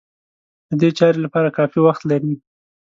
د دې چارې لپاره کافي وخت لري.